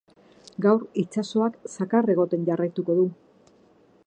Gaur, itsasoak zakar egoten jarraituko du.